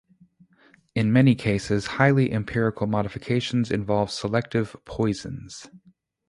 In many cases, highly empirical modifications involve selective "poisons".